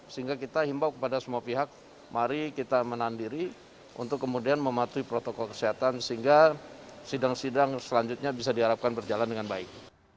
sehingga kita himbau kepada semua pihak mari kita menahan diri untuk kemudian mematuhi protokol kesehatan sehingga sidang sidang selanjutnya bisa diharapkan berjalan dengan baik